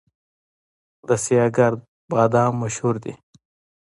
د سیاه ګرد بادام مشهور دي